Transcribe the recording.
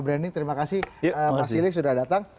branding terima kasih mas silih sudah datang